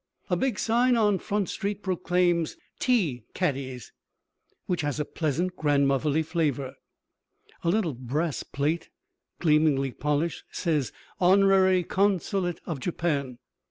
A big sign on Front Street proclaims TEA CADDIES, which has a pleasant grandmotherly flavor. A little brass plate, gleamingly polished, says HONORARY CONSULATE OF JAPAN.